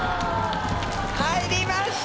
入りました！